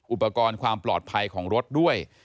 อุปกรณ์ความปลอดภัยของรถด้วย